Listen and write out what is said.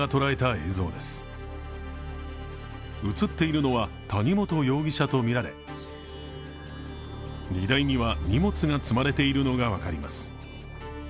映っているのは谷本容疑者とみられ荷台には荷物が積まれているのが分かります。